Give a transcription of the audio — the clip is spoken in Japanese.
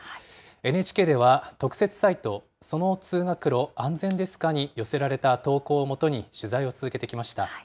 ＮＨＫでは、特設サイト、その通学路、安全ですかに寄せられた投稿をもとに取材を続けてき